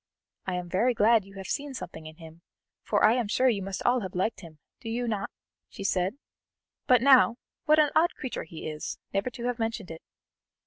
"I am very glad you have seen something in him, for I am sure you must all have liked him, do you not?" she said. "But, now, what an odd creature he is, never to have mentioned it.